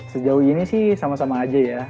sejauh ini sih sama sama aja ya